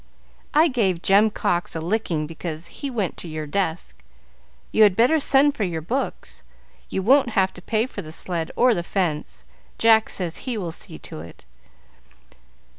I gave Jem Cox a licking because he went to your desk. You had better send for your books. You won't have to pay for the sled or the fence. Jack says he will see to it.